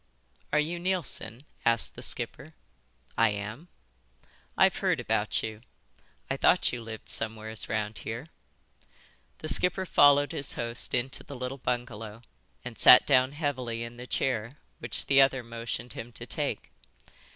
"Are you Neilson?" asked the skipper. "I am." "I've heard about you. I thought you lived somewheres round here." The skipper followed his host into the little bungalow and sat down heavily in the chair which the other motioned him to take.